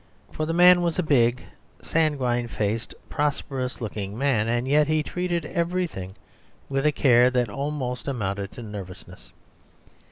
For the man was a big, sanguine faced, prosperous looking man, and yet he treated everything with a care that almost amounted to nervousness.